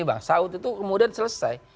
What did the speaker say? bang saud itu kemudian selesai